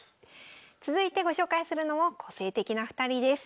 続いてご紹介するのも個性的な２人です。